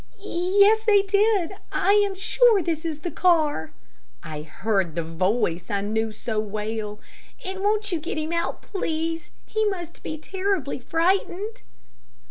"Yes, they did I am sure this is the car," I heard in the voice I knew so well; "and won't you get him out, please? He must be terribly frightened."